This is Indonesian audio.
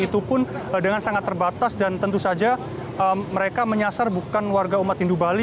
itu pun dengan sangat terbatas dan tentu saja mereka menyasar bukan warga umat hindu bali